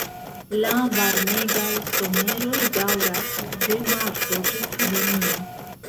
La varmegaj someroj daŭras de marto ĝis junio.